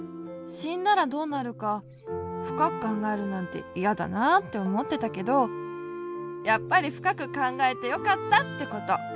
しんだらどうなるかふかくかんがえるなんていやだなっておもってたけどやっぱりふかくかんがえてよかったってこと。